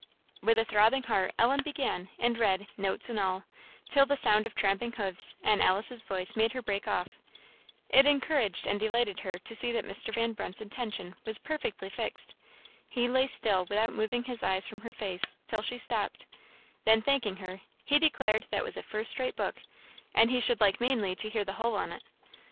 With a throbbing heart, Ellen began; and read, notes and all, till the sound of tramping hoofs and Alice's voice made her break off. It encouraged and delighted her to see that Mr. Van Brunt's attention was perfectly fixed. He lay still, without moving his eyes from her face, till she stopped; then thanking her, he declared that was a "first rate book," and he "should like mainly to hear the hull on it."